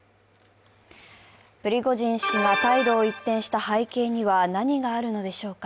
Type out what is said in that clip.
プリゴジン氏が態度を一転した背景には何があるのでしょうか。